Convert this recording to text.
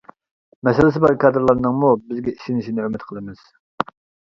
مەسىلىسى بار كادىرلارنىڭمۇ بىزگە ئىشىنىشىنى ئۈمىد قىلىمىز.